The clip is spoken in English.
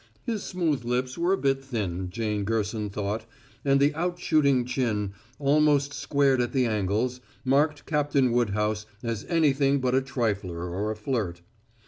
His smooth lips were a bit thin, Jane Gerson thought, and the out shooting chin, almost squared at the angles, marked Captain Woodhouse as anything but a trifler or a flirt.